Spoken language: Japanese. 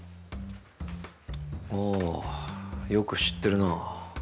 あぁよく知ってるな。